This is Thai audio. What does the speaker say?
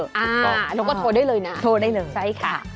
ถูกต้องแล้วก็โทรได้เลยนะใช่ค่ะโทรได้เลย